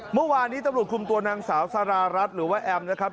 เมื่อวานนี้ตำรวจคุมตัวนางสาวสารารัฐหรือว่าแอมนะครับ